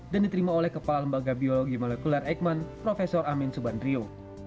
dan diterima oleh kepala lembaga biologi molekuler eichmann prof amin subandrio